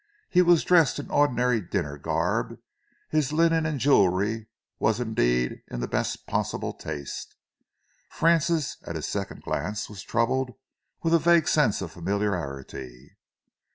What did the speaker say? He was dressed in ordinary dinner garb; his linen and jewellery was indeed in the best possible taste. Francis, at his second glance, was troubled with a vague sense of familiarity.